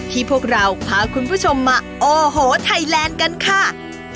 พวกเราพาคุณผู้ชมมาโอ้โหไทยแลนด์กันค่ะ